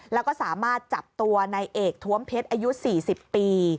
แล้วก็สามารถจับตัวในเอกท้วมเพชรอายุ๔๐ปี